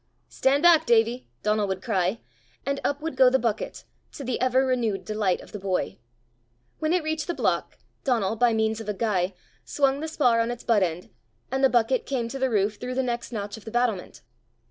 "Stand back, Davie," Donal would cry, and up would go the bucket, to the ever renewed delight of the boy. When it reached the block, Donal, by means of a guy, swung the spar on its but end, and the bucket came to the roof through the next notch of the battlement.